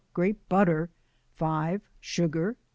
Grape butter. 5 Sugar.